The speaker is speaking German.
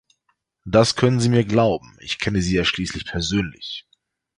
Das können Sie mir glauben, ich kenne sie ja schließlich persönlich.